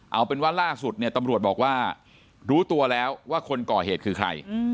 เอาเป็นว่าล่าสุดเนี่ยตำรวจบอกว่ารู้ตัวแล้วว่าคนก่อเหตุคือใคร